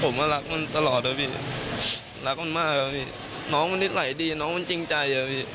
ผมก็รักมันตลอดรักมันมากน้องมันนิสัยดีน้องมันจริงใจ